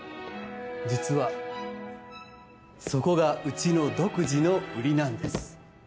実はそこがうちの独自の売りなんです